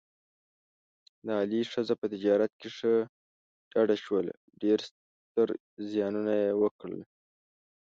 د علي ښځه په تجارت کې ښه ډډه شوله، ډېر ستر زیانونه یې وکړل.